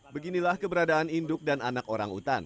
beginilah keberadaan induk dan anak orang utan